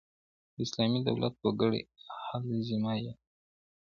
د اسلامي دولت وګړي اهل ذمه يي.